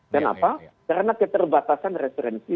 kenapa karena keterbatasan referensi